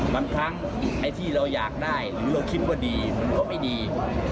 บางครั้งไอ้ที่เราอยากได้หรือเราคิดว่าดีมันก็ไม่ดี